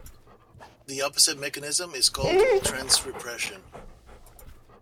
The opposite mechanism is called transrepression.